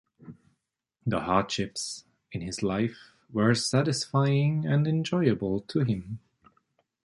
The hardships in his life were satisfying and enjoyable to him.